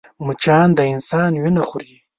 مچان د انسان وينه خوري